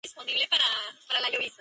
Es originaria del norte de España.